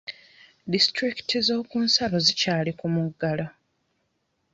Disitulikiti z'okunsalo zikyali ku muggalo.